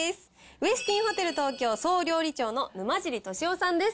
ウェスティンホテル東京、総料理長の沼尻寿夫さんです。